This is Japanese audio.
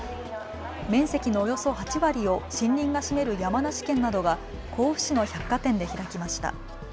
面積のおよそ８割を森林が占める山梨県などが甲府市の百貨店で開きました。